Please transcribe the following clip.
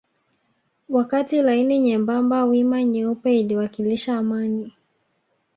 Wakati laini nyembamba wima nyeupe iliwakilisha amani